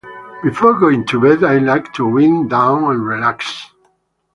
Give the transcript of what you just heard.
Before going to bed, I like to wind down and relax.